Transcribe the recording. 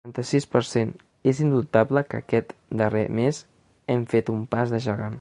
Noranta-sis per cent És indubtable que aquest darrer mes hem fet un pas de gegant.